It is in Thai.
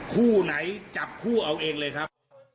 คู่ไหนจับคู่เอาเองเลยครับ